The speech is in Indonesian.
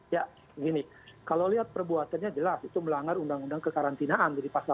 ya begini kalau lihat perbuatannya jelas itu melanggar undang undang kekarantinaan dari pasal sembilan puluh satu sembilan puluh empat